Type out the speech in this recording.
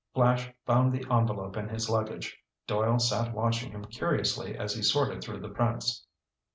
Flash found the envelope in his luggage. Doyle sat watching him curiously as he sorted through the prints.